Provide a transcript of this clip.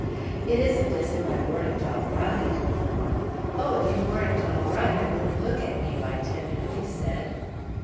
"It isn't as if I weren't all right." "Oh if you weren't all right I wouldn't look at you!" I tenderly said.